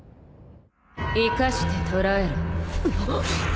・生かして捕らえろ